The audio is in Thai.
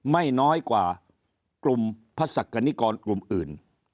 ไม่น้อยกว่ากลุ่มพระศักดิกรกลุ่มอื่น